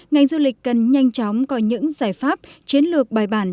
ngành du lịch cần nhanh chóng có những giải pháp chiến lược bài bản